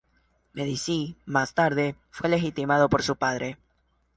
Medici, más tarde, fue legitimado por su padre.